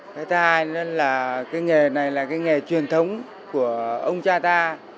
thứ hai là cái nghề này là cái nghề truyền thống của ông cha ta